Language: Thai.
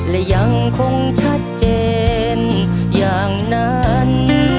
และยังคงชัดเจนอย่างนั้น